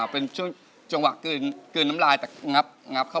เป็นจังหวะเกินน้ำลายแต่งับเข้าไป